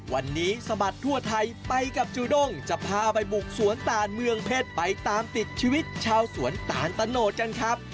วันนี้สะบัดทั่วไทยไปกับจูด้งจะพาไปบุกสวนตานเมืองเพชรไปตามติดชีวิตชาวสวนตาลตะโนดกันครับ